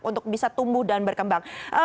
untuk bisa tumbuh dan berkembang